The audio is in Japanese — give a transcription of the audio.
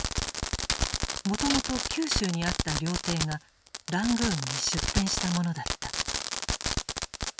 もともと九州にあった料亭がラングーンに出店したものだった。